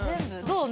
どう？